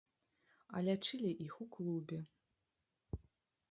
А лячылі іх у клубе.